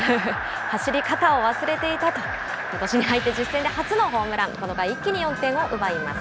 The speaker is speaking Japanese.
走り方を忘れていたと、ことしに入って実戦で初のホームラン、この回、一気に４点を奪います。